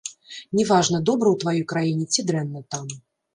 Не важна, добра ў тваёй краіне ці дрэнна там.